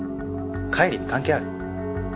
海里に関係ある？